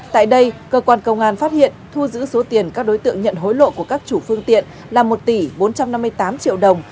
tại đây cơ quan công an phát hiện thu giữ số tiền các đối tượng nhận hối lộ của các chủ phương tiện là một tỷ bốn trăm năm mươi tám triệu đồng